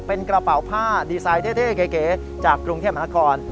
เป็นกระเป๋าผ้าดีไซน์เท่เก๋จากกรุงเทพมหานคร